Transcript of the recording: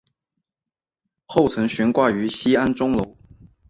后曾悬挂于西安钟楼。